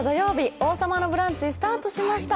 「王様のブランチ」スタートしました。